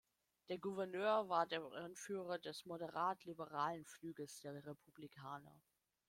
Der Gouverneur war der Anführer des moderat-liberalen Flügels der Republikaner.